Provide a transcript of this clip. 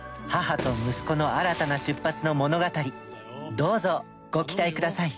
どうぞご期待ください。